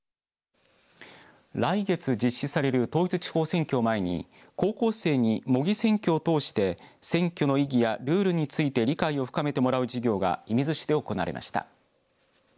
来月実施される統一地方選挙を前に高校生に模擬選挙を通して選挙の意義やルールについて理解を深めてもらう授業が射水市で行われました。